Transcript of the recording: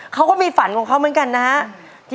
เขาก็มีฝันของเขาเหมือนกันนะครับ